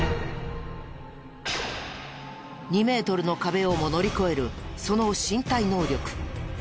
２メートルの壁をも乗り越えるその身体能力。